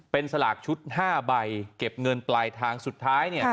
เป็นสลากชุด๕ใบเก็บเงินปลายทางสุดท้าย